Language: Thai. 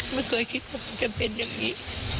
ไม่เคยคิดว่ามันจะเป็นอย่างนี้